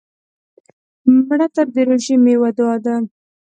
مړه ته د روژې میوه دعا ده